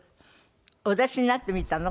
お出しになってみたの？